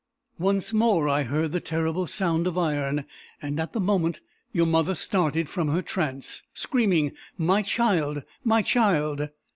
Once more I heard the terrible sound of iron; and, at the moment, your mother started from her trance, screaming, 'My child! my child!